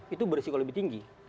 itu beresiko lebih tinggi